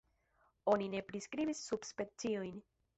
Oni ne priskribis subspeciojn.